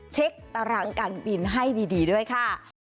ตารางการบินให้ดีด้วยค่ะ